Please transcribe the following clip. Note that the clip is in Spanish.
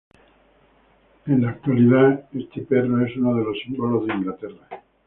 En la actualidad este perro es uno de los símbolos de Inglaterra.